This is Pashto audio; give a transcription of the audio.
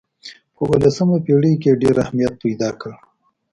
په اولسمه پېړۍ کې یې ډېر اهمیت پیدا کړ.